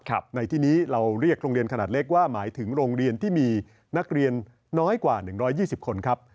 ในที่นี้เราเรียกโรงเรียนขนาดเล็กว่าหมายถึงโรงเรียนที่มีนักเรียนน้อยกว่า๑๒๐คนครับ